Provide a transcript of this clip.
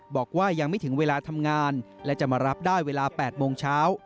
บอกว่ายังไม่ถึงเวลาทำงานและจะมารับได้เวลา๘โมงเช้า